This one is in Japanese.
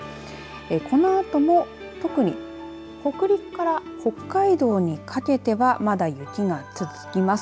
このあとも特に北陸から北海道にかけてはまだ雪が続きます。